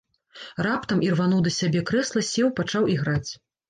Раптам ірвануў да сябе крэсла, сеў, пачаў іграць.